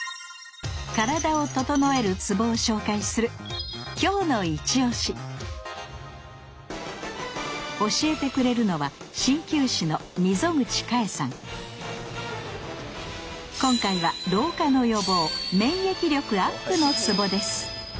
カラダをととのえるツボを紹介する教えてくれるのは今回は老化の予防免疫力アップのツボです